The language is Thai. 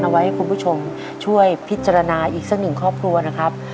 เอาไว้ให้คุณผู้ชมช่วยพิจารณาอีกสักหนึ่งครอบครัวนะครับ